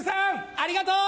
ありがとう！